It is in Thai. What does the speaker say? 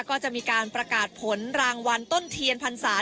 ก็จะมีการประกาศผลรางวัลต้นเทียนพรรษา